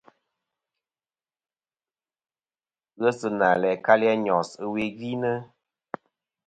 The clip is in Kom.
Ghesina læ kalì a Nyos ɨwe gvi nɨ̀.